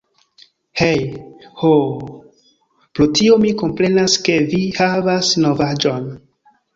Hej.... Ho, pro tio mi komprenas ke vi havas novaĵon!